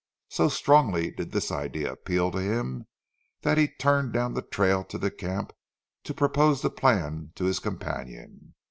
So strongly did this idea appeal to him, that he turned down the trail to the camp to propose the plan to his companion.